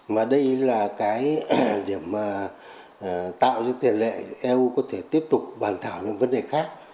mà đây là cái điểm mà tạo ra tiền lệ eu có thể tiếp tục bàn thảo những vấn đề khác